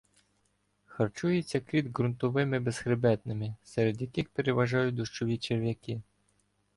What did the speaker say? Харчується кріт ґрунтовими безхребетними, серед яких переважають дощові черв'яки.